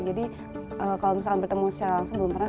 jadi kalau misalnya bertemu secara langsung belum pernah